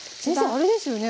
あれですよね